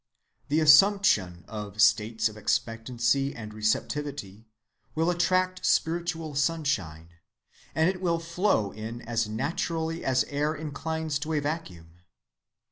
The assumption of states of expectancy and receptivity will attract spiritual sunshine, and it will flow in as naturally as air inclines to a vacuum....